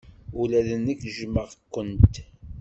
Ula d nekk jjmeɣ-kent.